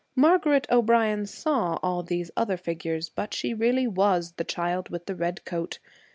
Margaret O'Brien saw all these other figures, but she really was the child with the red coat.